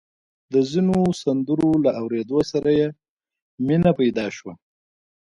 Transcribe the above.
د ځينو سندرو له اورېدو سره يې مينه پيدا شوه.